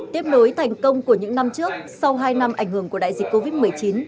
tiếp nối thành công của những năm trước sau hai năm ảnh hưởng của đại dịch covid một mươi chín